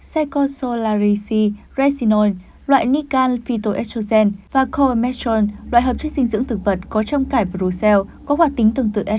secosolarisi resinol loại nical phytoestrogen và coemestron loại hợp chất dinh dưỡng thực vật có trong cải brussels có hoạt tính tương tự estrogen